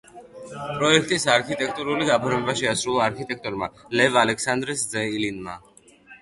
პროექტის არქიტექტურული გაფორმება შეასრულა არქიტექტორმა ლევ ალექსანდრეს ძე ილინმა.